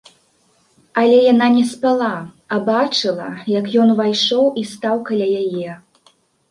Але яна не спала, а бачыла, як ён увайшоў і стаў каля яе.